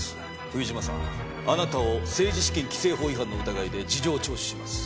冬島さんあなたを政治資金規制法違反の疑いで事情聴取します。